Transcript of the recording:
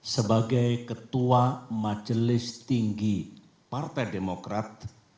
sebagai ketua majelis tinggi partai demokrat